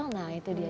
nah itu dia